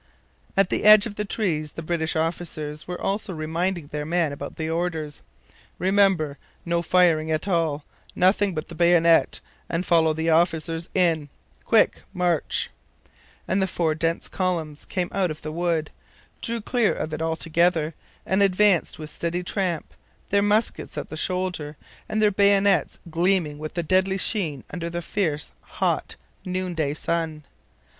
At the edge of the trees the British officers were also reminding their men about the orders. 'Remember: no firing at all; nothing but the bayonet; and follow the officers in!' QUICK MARCH! and the four dense columns came out of the wood, drew clear of it altogether, and advanced with steady tramp, their muskets at the shoulder and their bayonets gleaming with a deadly sheen under the fierce, hot, noonday sun.